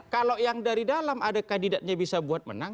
kalau yang dari dalam ada kandidatnya bisa buat menang